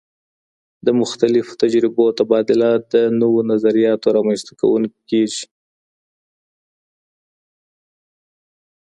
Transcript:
د مختلفو تجربو تبادله د نوو نظریاتو رامنځته کونکي کیږي.